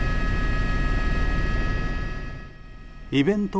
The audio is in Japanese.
イベント